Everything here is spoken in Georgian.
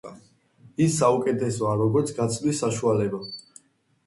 ის საუკეთესოა, როგორც გაცვლის საშუალება.